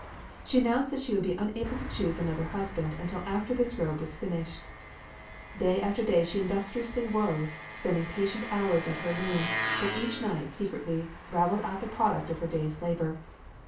She announced that she would be unable to choose another husband until after this robe was finished. Day after day she industriously wove, spending patient hours at her loom, but each night secretly ravelled out the product of her day's labour.